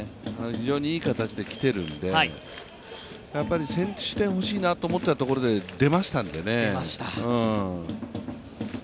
非常にいい形できているので、先取点欲しいなと思ったところで出ましたんでね。